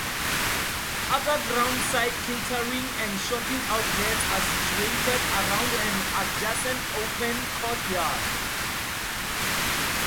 Other ground side catering and shopping outlets are situated around an adjacent open courtyard.